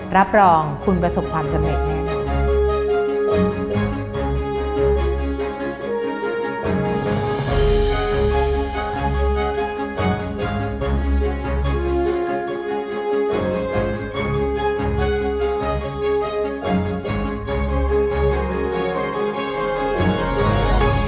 รับรองคุณประสบความสำเร็จแน่นอน